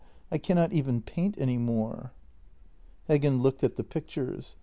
I cannot even paint any more." Heggen looked at the pictures.